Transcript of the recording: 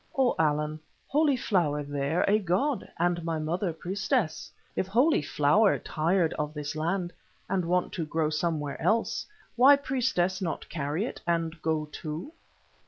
"O Allan, Holy Flower there a god, and my mother priestess. If Holy Flower tired of this land, and want to grow somewhere else, why priestess not carry it and go too?"